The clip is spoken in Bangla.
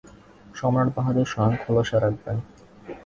সম্রাটবাহাদুর স্বয়ং খোলসা রাখবেন।